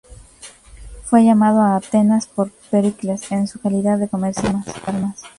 Fue llamado a Atenas por Pericles en su calidad de comerciante de armas.